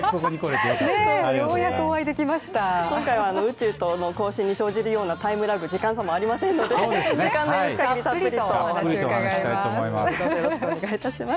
今回は宇宙との交信に生じるようなタイムラグ時間差もありませんので、時間の許す限りたっぷりとお話を伺いたいと思います。